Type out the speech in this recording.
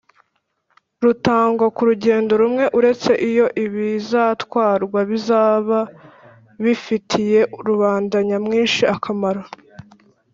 rutangwa kurugendo rumwe uretse iyo ibizatwarwa bizaba bifitiye rubanda nyamwinshi akamaro